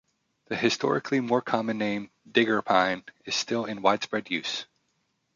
The historically more common name "digger pine" is still in widespread use.